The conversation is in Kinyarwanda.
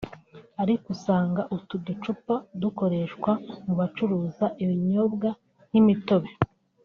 Ariko usanga utu uducupa dukoreshwa mu bacuruza ibinyobwa nk’imitobe